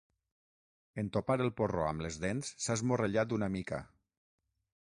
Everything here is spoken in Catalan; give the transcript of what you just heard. En topar el porró amb les dents, s'ha esmorrellat una mica.